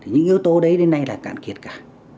những yếu tố đấy đến nay là cạn kiệt cả